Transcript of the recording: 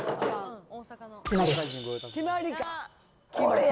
決まりや。